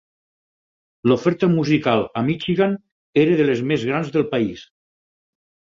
L'oferta musical a Michigan era de les més grans del país.